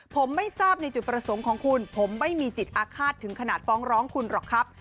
ผมไม่ทราบในจุดประสงค์ของคุณผมไม่มีจิตอาฆาตถึงขนาดฟ้องร้องคุณหรอกครับ